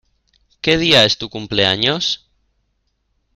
¿Qué día es tu cumpleaños?